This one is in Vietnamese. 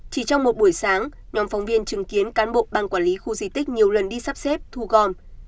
chỉ trong một buổi sáng nhóm phóng viên chứng kiến cán bộ ban quản lý khu di tích nhiều lần đi sắp xếp thu gom